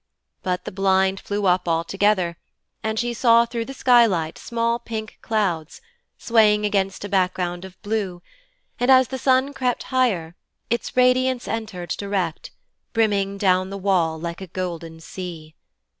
But the blind flew up altogether, and she saw through the skylight small pink clouds, swaying against a background of blue, and as the sun crept higher, its radiance entered direct, brimming down the wall, like a golden sea.